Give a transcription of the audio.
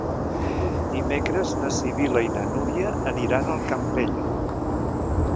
Dimecres na Sibil·la i na Núria aniran al Campello.